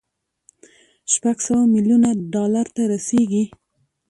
شپږ سوه ميليونه ډالر ته رسېږي.